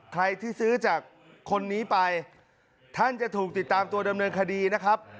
ใครที่ซื้อจากคนนี้ไปท่านจะถูกติดตามตัวดำเนินคดีนะครับ